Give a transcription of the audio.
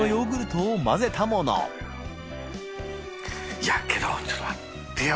いやけどちょっと待ってよ